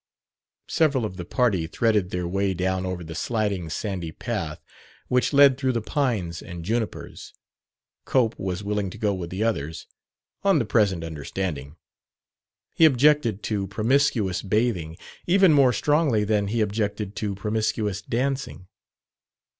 Several of the party threaded their way down over the sliding sandy path which led through the pines and junipers. Cope was willing to go with the others on the present understanding. He objected to promiscuous bathing even more strongly than he objected to promiscuous dancing.